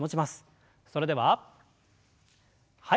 それでははい。